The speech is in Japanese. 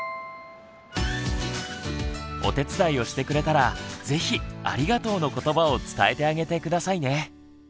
お手伝いをしてくれたらぜひ「ありがとう」の言葉を伝えてあげて下さいね。